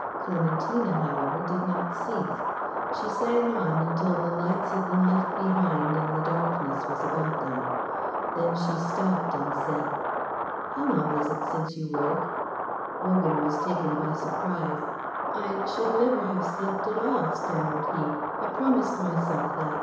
Clementina, however, did not cease; she sang on until the lights had been left behind and the darkness was about them. Then she stopped and said, "How long is it since you woke?" Wogan was taken by surprise. "I should never have slept at all," stammered he. "I promised myself that.